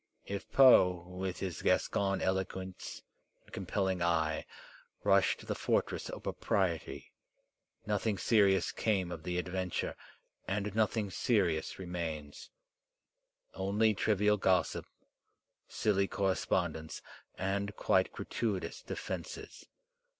If Poe, with his Gascon eloquence and compelling eye, rushed the fortress of propriety, nothing serious came of the adven ture and nothing serious remains — only trivial gossip, silly correspondence, and quite gratuitous defences.